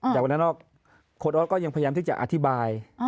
จากเวลานอกโค้ดออสก็ยังพยายามที่จะอธิบาย